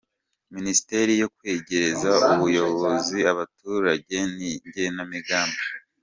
Minisiteri yo kwegereza ubuyobozi abaturage n’igenemigambi.